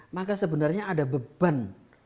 maka sebenarnya ada beban